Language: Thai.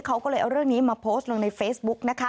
เขาก็เลยเอาเรื่องนี้มาโพสต์ลงในเฟซบุ๊กนะคะ